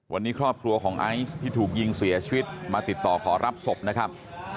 วันนี้ครอบครัวของไอซ์ที่ถูกยิงเสียชีวิตมาติดต่อขอรับศพนะครับ